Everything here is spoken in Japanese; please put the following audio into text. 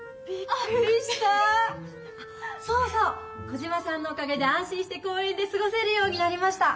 コジマさんのおかげで安心して公園で過ごせるようになりました。